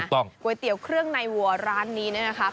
ถูกต้องก๋วยเตี๋ยวเครื่องในวัวร้านนี้นะคะ